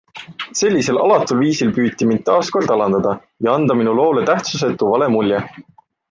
Sellisel alatul viisil püüti mind taas kord alandada ja anda minu loole tähtsusetu vale mulje.